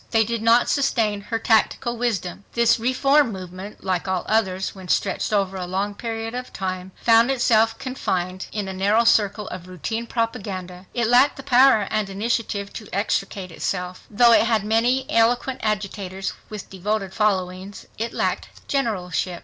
They did not sustain her tactical wisdom. This reform movement, like all others when stretched over a long period of time, found itself confined in a narrow circle of routine propaganda. It lacked the power and initiative to extricate itself. Though it had many eloquent agitators with devoted followings, it lacked generalship.